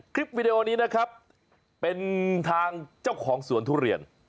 วิดีโอนี้นะครับเป็นทางเจ้าของสวนทุเรียน